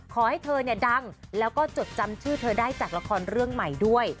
ขอให้เธอเนี่ยดังแล้วก็จดจำชื่อเธอได้จากละครเรื่องใหม่ด้วย